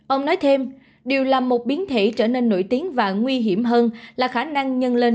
ông nói thêm điều là một biến thể trở nên nổi tiếng và nguy hiểm hơn là khả năng nhân lên